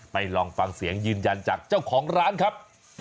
ลองฟังเสียงยืนยันจากเจ้าของร้านครับ